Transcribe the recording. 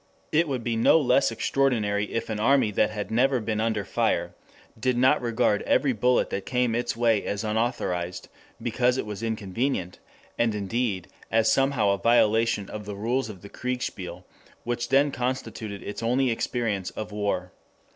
It would be no less extraordinary if an army that had never been under fire, did not regard every bullet that came its way as unauthorized, because it was inconvenient, and indeed as somehow a violation of the rules of the Kriegspiel, which then constituted its only experience of war.